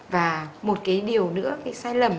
và một cái điều nữa cái sai lầm